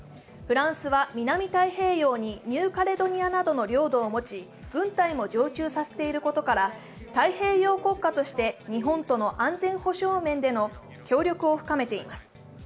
フランスは南太平洋にニューカレドニアなどの両度を持ち軍隊な常駐させていることから、太平洋国家として日本との安全保障面との協力を深めています。